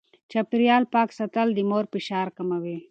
چاپېريال پاک ساتل د مور فشار کموي.